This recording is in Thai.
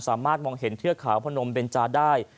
สามารถมองเห็นเทือกขาวพนมเบนจาได้